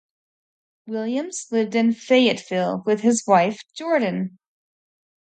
Williams lived in Fayetteville with his wife Jordan.